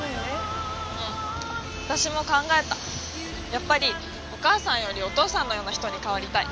やっぱりお母さんよりお父さんのような人に変わりたい。